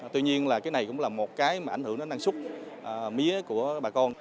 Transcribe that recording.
tuy nhiên là cái này cũng là một cái mà ảnh hưởng đến năng suất mía của bà con